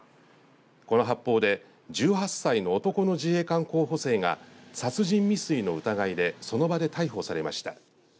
この発砲で１８歳の男の自衛官候補生が殺人未遂の疑いでその場で逮捕されました。